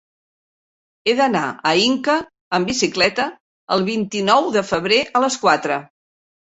He d'anar a Inca amb bicicleta el vint-i-nou de febrer a les quatre.